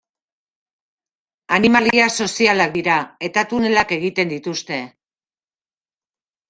Animalia sozialak dira eta tunelak egiten dituzte.